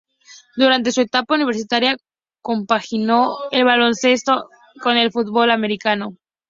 Durante su etapa universitaria compaginó el baloncesto con el fútbol americano.